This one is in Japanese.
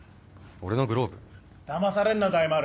俺のグローブ？だまされんな大丸。